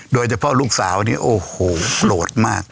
โดยเฉพาะลูกสาวนี่โอ้โหโกรธมาก